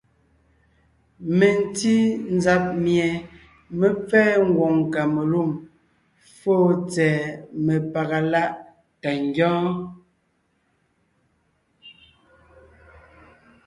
Mentí nzab mie mé pfɛ́ɛ ngwòŋ Kamelûm fóo tsɛ̀ɛ mepaga láʼ tà ngyɔ́ɔn.